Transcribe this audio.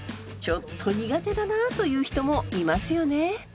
ちょっと苦手だなという人もいますよね。